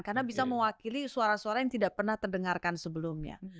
karena bisa mewakili suara suara yang tidak pernah terdengarkan sebelumnya